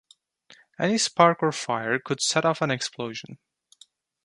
Any spark or fire could set off an explosion.